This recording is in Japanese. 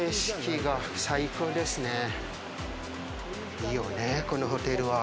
いいよね、このホテルは。